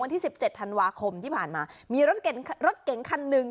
ที่สิบเจ็ดธันวาคมที่ผ่านมามีรถเก๋งรถเก๋งคันหนึ่ง